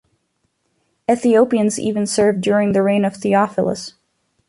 Ethiopians even served during the reign of Theophilos.